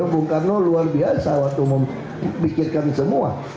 bung karno luar biasa waktu memikirkan semua